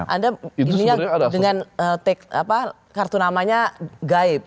anda ininya dengan kartu namanya gaib